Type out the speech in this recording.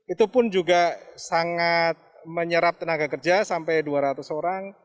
itu pun juga sangat menyerap tenaga kerja sampai dua ratus orang